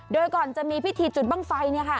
โดยก่อนจะมีพิธีจุดบ้างไฟ